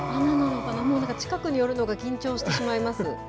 なんかも近くに寄るのが緊張してしまいます。